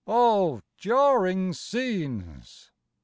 Oh, jarring scenes!